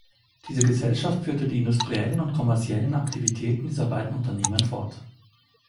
Diese Gesellschaft führte die industriellen und kommerziellen Aktivitäten dieser beiden Unternehmen fort.